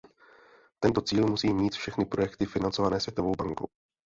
Tento cíl musí mít všechny projekty financované Světovou bankou.